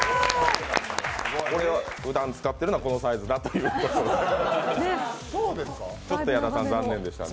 ふだん使っているのがこのサイズだということですね。